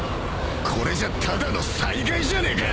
これじゃただの災害じゃねえか！